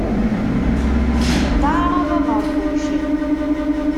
D aɛrab aberquc.